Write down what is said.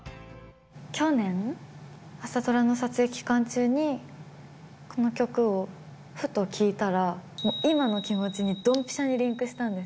去年、朝ドラの撮影期間中に、この曲をふと聴いたら、もう今の気持ちにドンピシャにリンクしたんです。